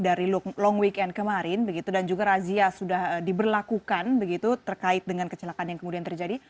dari long weekend kemarin begitu dan juga razia sudah diberlakukan begitu terkait dengan kecelakaan yang kemudian terjadi